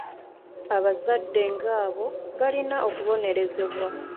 Abazadde ng'abo balina okubonerezebwa.